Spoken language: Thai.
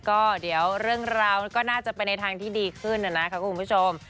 ก็เดี๋ยวเรื่องราวก็น่าจะไปในทางที่ดีขึ้นนะคะคุณผู้ชม